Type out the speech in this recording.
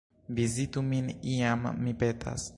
Vizitu min iam, mi petas!